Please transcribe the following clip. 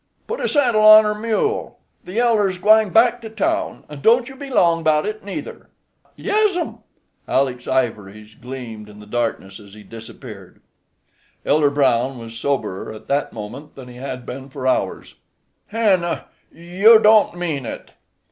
"Put a saddle on er mule. The elder's gwine back to town. And don't you be long about it neither." "Yessum." Aleck's ivories gleamed in the darkness as he disappeared. Elder Brown was soberer at that moment than he had been for hours. "Hannah, you don't mean it?"